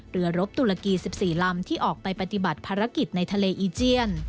รบตุรกี๑๔ลำที่ออกไปปฏิบัติภารกิจในทะเลอีเจียน